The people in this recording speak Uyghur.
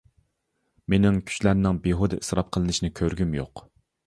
مېنىڭ كۈچلەرنىڭ بىھۇدە ئىسراپ قىلىنىشىنى كۆرگۈم يوق.